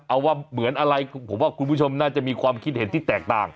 เอาว่าเหมือนอะไรผมว่าคุณผู้ชมน่าจะมีความคิดเห็นที่แตกต่าง